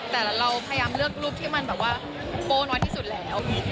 แต่เราพยายามเลือกรูปที่มันแบบว่าโป้นไว้ที่สุดแล้ว